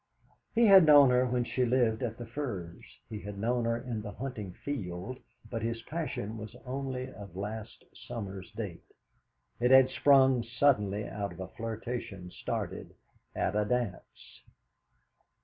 He had known her when she lived at the Firs, he had known her in the hunting field, but his passion was only of last summer's date. It had sprung suddenly out of a flirtation started at a dance.